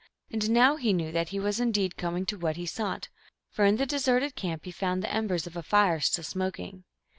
And now he knew that he was indeed coming to what he sought, for in the deserted camp he found the embers of a fire, still smoking.